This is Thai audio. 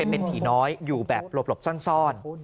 เป็นผีน้อยอยู่แบบหลบซ่อน